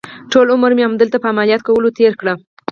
ټول عمر مې همدلته په عملیات کولو تېر کړ.